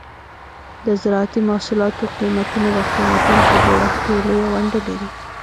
د زراعتي محصولاتو قیمتونه د قیمتونو په جوړښت کې لویه ونډه لري.